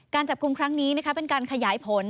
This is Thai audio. จับกลุ่มครั้งนี้เป็นการขยายผล